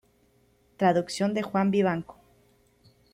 Traducción de Juan Vivanco.